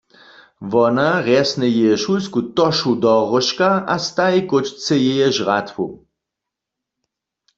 Wona wrjesny jeje šulsku tošu do róžka a staji kóčce jeje žratwu.